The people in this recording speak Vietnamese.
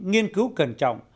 nghiên cứu cẩn trọng